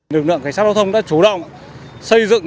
lực lượng cảnh sát giao thông đã chủ động xây dựng